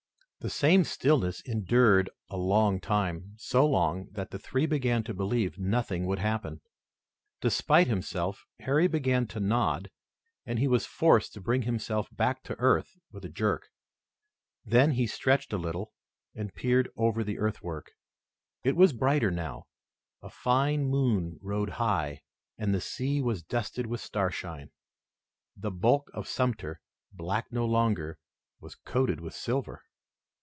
The same stillness endured for a long time, so long that the three began to believe nothing would happen. Despite himself, Harry began to nod and he was forced to bring himself back to earth with a jerk. Then he stretched a little and peered over the earthwork. It was brighter now. A fine moon rode high, and the sea was dusted with starshine. The bulk of Sumter, black no longer, was coated with silver.